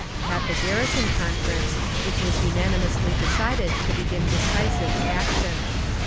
At the Garrison Conference it was unanimously decided to begin decisive action.